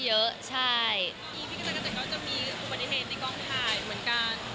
พี่กระจักรเจ้าก็จะมีอุบัติเหตุในกล้องถ่ายเหมือนกัน